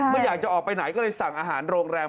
ไม่อยากจะออกไปไหนก็เลยสั่งอาหารโรงแรม